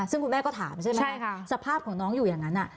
ซึ่งคุณแม่ก็ถามใช่ไหมสภาพของน้องอยู่อย่างนั้น